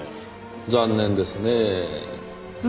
残念ですねぇ。